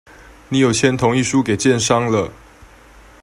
你有簽同意書給建商了